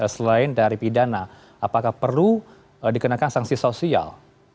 selain dari pidana apakah perlu dikenakan sanksi sosial